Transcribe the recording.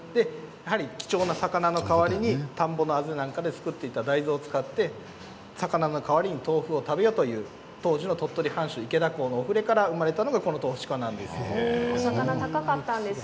貴重な魚の代わりに田んぼの、あぜで作っていた大豆を使って魚の代わりに豆腐を食べようという当時の鳥取藩主、池田公のお触れから生まれました。